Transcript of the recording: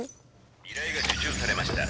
「依頼が受注されました」。